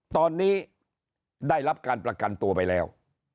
ตอนนี้ได้รับการประกันตัวไปแล้ว